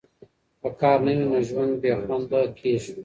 که کار نه وي، نو ژوند بې خونده کیږي.